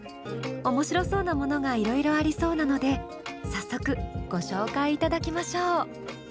面白そうなものがいろいろありそうなので早速ご紹介いただきましょう。